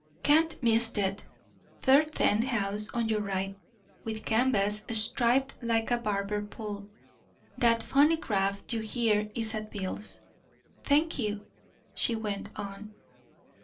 "Can't miss it third tent house on your right, with canvas striped like a barber pole. That phonnygraff you hear is at Bill's." "Thank you." She went on.